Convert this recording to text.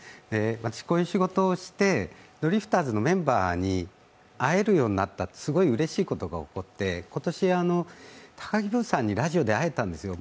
私、こういう仕事をしてドリフターズのメンバーに会えるようになったすごいうれしいことが起こって、今年、高木ブーさんにラジオで会えたんですよ。